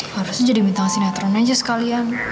harusnya jadi bintang sinetron aja sekalian